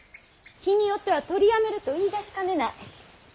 日によっては取りやめると言いだしかねない。